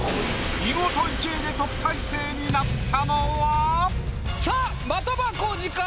見事１位で特待生になったのは⁉さあ的場浩司か？